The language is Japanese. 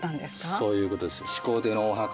そういうことです。